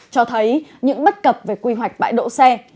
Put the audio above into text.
cho thấy những bất cập về quy hoạch bãi đỗ xe